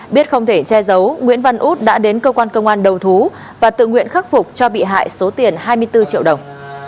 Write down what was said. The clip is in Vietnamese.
biết không thể che giấu nguyễn văn út đã đến cơ quan công an đầu thú và tự nguyện khắc phục cho bị hại số tiền hai mươi bốn triệu đồng